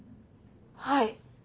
はい。